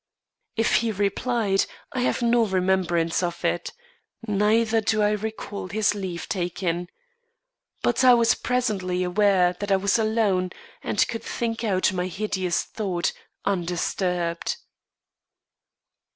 If he replied, I have no remembrance of it; neither do I recall his leave taking. But I was presently aware that I was alone and could think out my hideous thought, undisturbed.